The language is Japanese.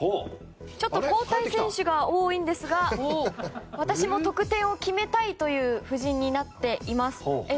ちょっと交代選手が多いんですが私も得点を決めたいという布陣になっています。